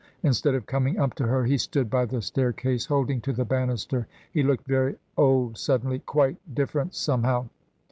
Instead of coming up to her he stood by the staircase holding to the bannister. He looked very old suddenly, quite different somehow.